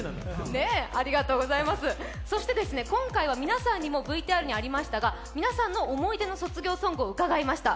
今回は皆さんにもＶＴＲにもありましたが、皆さんの思い出の卒業ソングを伺いました。